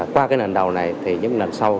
qua cái lần đầu này thì những lần sau